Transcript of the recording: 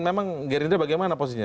memang gerindra bagaimana posisinya